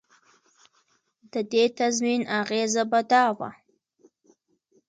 د دې تضمین اغېزه به دا وه.